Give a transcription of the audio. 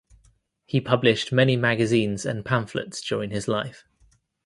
He published many magazines and pamphlets during his life.